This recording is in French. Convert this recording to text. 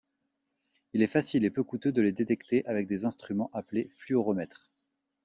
Il est facile et peu coûteux de les détecter avec des instruments appelés fluoromètres.